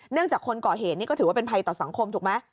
จากคนก่อเหตุนี่ก็ถือว่าเป็นภัยต่อสังคมถูกไหม